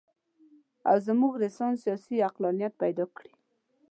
او زموږ رنسانس سیاسي عقلانیت پیدا کړي.